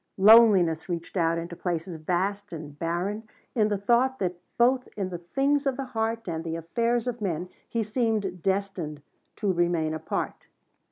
Loneliness reached out into places vast and barren in the thought that both in the things of the heart and the affairs of men he seemed destined to remain apart.